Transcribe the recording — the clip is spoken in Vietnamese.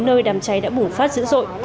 nơi đám cháy đã bùng phát dữ dội